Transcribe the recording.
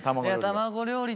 卵料理。